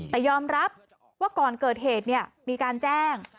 แต่ยอมรับว่าก่อนเกิดเหตุมีการแจ้ง